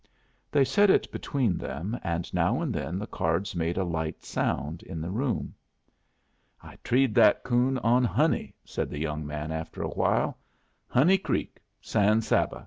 They set it between them, and now and then the cards made a light sound in the room. "I treed that coon on Honey," said the young man, after a while "Honey Creek, San Saba.